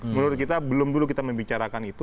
menurut kita belum dulu kita membicarakan itu